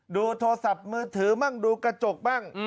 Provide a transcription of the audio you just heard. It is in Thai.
โทรศัพท์มือถือบ้างดูกระจกบ้าง